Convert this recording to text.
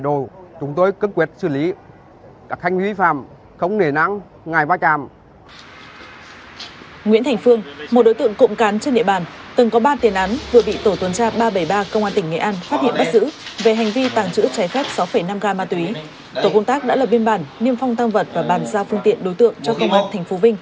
tổ công tác đã lập biên bản niêm phong tăng vật và bàn giao phương tiện đối tượng cho công an tp vinh xử lý theo quy định